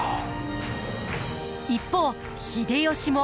一方秀吉も。